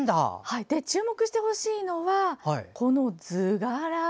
注目してほしいのは図柄。